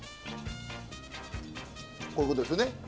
こういうことですよね。